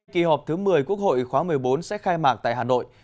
kỳ họp thứ một mươi quốc hội khóa một mươi bốn sẽ khai mạc tại hà nội